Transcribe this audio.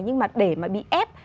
nhưng mà để mà bị ép